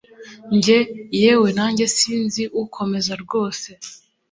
Njye yewe nanjye sinzi ukomeze rwose